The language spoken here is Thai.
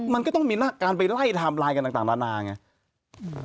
มันก็ต้องมีการไปไล่ไทม์ไลน์กันต่างนานาไง